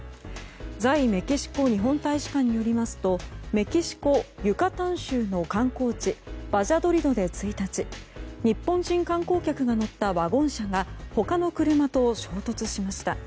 在メキシコ日本大使館によりますとメキシコ・ユカタン州の観光地バジャドリドで１日日本人観光客が乗ったワゴン車が他の車と衝突しました。